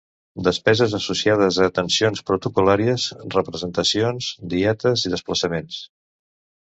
Despeses associades a atencions protocol·làries, representacions, dietes i desplaçaments.